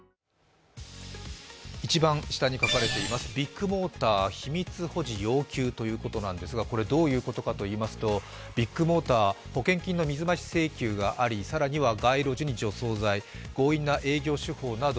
一番下に書かれれていますビッグモーター、秘密保持要求ということですがこれ、どういうことかといいますとビッグモーター、保険金の水増し請求があり更には街路樹に除草剤、強引な営業主砲など